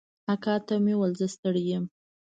اکا ته مې وويل زه ستړى يم.